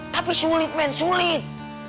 tapi sulit men sulit